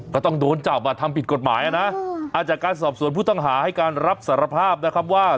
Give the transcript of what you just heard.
ก็ต้องโดนจับมาทำผิดกฎหมายอ่ะนะจากการสอบสวนผู้ต้องหาให้การรับสารภาพนะครับว่า